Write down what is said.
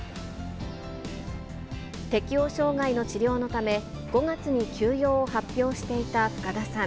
適応障害の治療のため、５月に休養を発表していた深田さん。